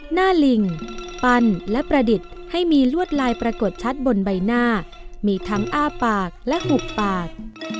ลิงปั้นและประดิษฐ์ให้มีลวดลายปรากฏชัดบนใบหน้ามีทั้งอ้าปากและหุบปาก